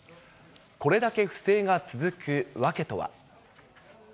これだけ不正が続く訳とは。